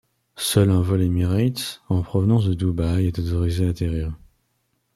Seul un vol Emirates en provenance de Dubaï est autorisé à atterrir.